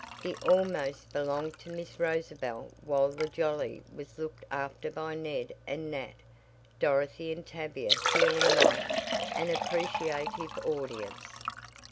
(The "almost" belonged to Miss Rosabel while the "jolly" was looked after by Ned and Nat, Dorothy and Tavia feeling like an appreciative audience.)